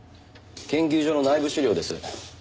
研究所の内部資料です。